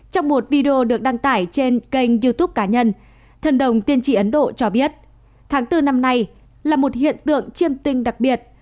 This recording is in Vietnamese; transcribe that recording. trong một video được đăng tải trên kênh youtube cá nhân thân đồng tiên tri ấn độ cho biết tháng bốn năm nay là một hiện tượng chiêm tinh đặc biệt